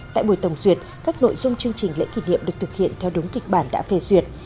tại buổi tổng duyệt các nội dung chương trình lễ kỷ niệm được thực hiện theo đúng kịch bản đã phê duyệt